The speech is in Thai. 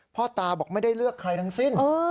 พ่อตาบอกไม่ได้เลือกใครทั้งสิ้น